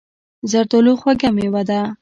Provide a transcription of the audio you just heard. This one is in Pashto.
زردالو خوږه مېوه ده.